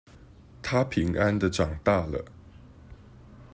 她平安的長大了